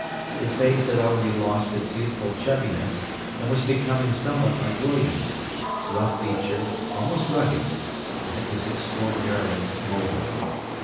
His face had already lost its youthful chubbiness, and was becoming somewhat like William's—rough featured, almost rugged—and it was extraordinarily mobile.